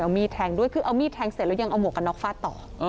มีดแทงด้วยคือเอามีดแทงเสร็จแล้วยังเอาหมวกกันน็อกฟาดต่อ